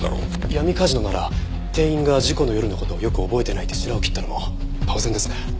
闇カジノなら店員が事故の夜の事をよく覚えてないってしらを切ったのも当然ですね。